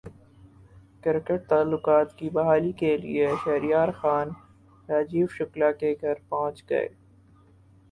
cricket تعلقات کی بحالی کیلئے شہریار خان راجیو شکلا کے گھرپہنچ گئے